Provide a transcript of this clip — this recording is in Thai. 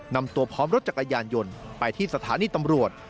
นำตัวพร้อมรถจักรยานยนต์ไปที่สถานีตำรวจ